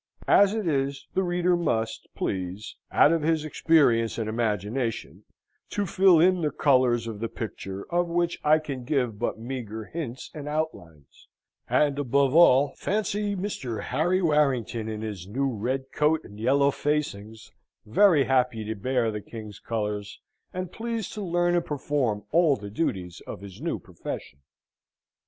As it is, the reader must please, out of his experience and imagination, to fill in the colours of the picture of which I can give but meagre hints and outlines, and, above all, fancy Mr. Harry Warrington in his new red coat and yellow facings, very happy to bear the King's colours, and pleased to learn and perform all the duties of his new profession.